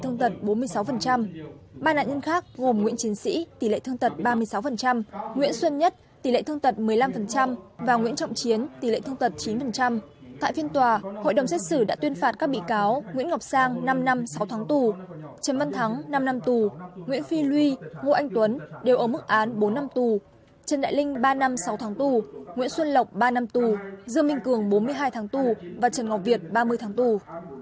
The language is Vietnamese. ngô anh tuấn đều ở mức án bốn năm tù trần đại linh ba năm sáu tháng tù nguyễn xuân lộc ba năm tù dương minh cường bốn mươi hai tháng tù và trần ngọc việt ba mươi tháng tù